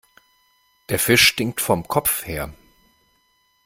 Der Fisch stinkt vom Kopfe her.